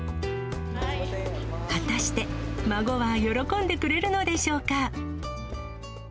果たして、孫は喜んでくれるのでしょうか。